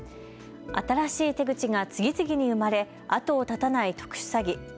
新しい手口が次々に生まれ後を絶たない特殊詐欺。